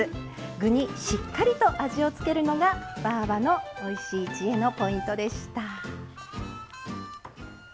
具に、しっかりと味を付けるのがばぁばのおいしい知恵のポイントでした。